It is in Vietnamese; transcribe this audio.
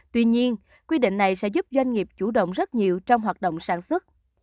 tuy nhiên quy định này sẽ giúp doanh nghiệp chủ động rất nhiều trong hoạt động sản xuất